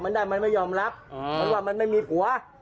เพราะว่ามันไม่มีผัว